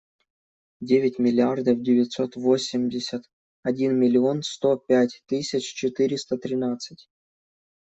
Девять миллиардов девятьсот восемьдесят один миллион сто пять тысяч четыреста тринадцать.